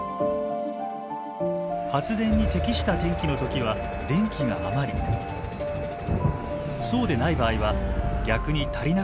発電に適した天気の時は電気が余りそうでない場合は逆に足りなくなるおそれがあります。